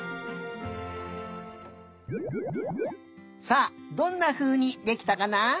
さあどんなふうにできたかな？